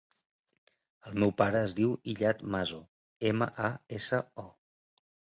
El meu pare es diu Iyad Maso: ema, a, essa, o.